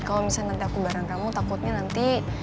kalau misalnya nanti aku bareng kamu takutnya nanti